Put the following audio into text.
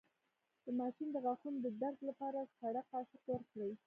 د ماشوم د غاښونو د درد لپاره سړه قاشق ورکړئ